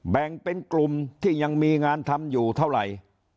แบ่งเป็นกลุ่มที่ยังมีงานทำอยู่เท่าไหร่